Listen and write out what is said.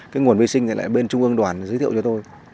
cái nguồn vi sinh lại là bên trung ương đoàn giới thiệu cho tôi